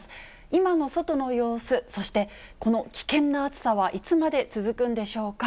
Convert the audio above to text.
今の外の様子、そして、この危険な暑さはいつまで続くんでしょうか。